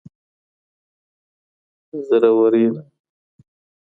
زرورینه